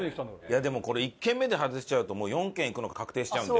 いやでもこれ１軒目で外しちゃうと４軒行くの確定しちゃうんで。